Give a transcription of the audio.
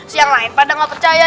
si yang lain pada nggak percaya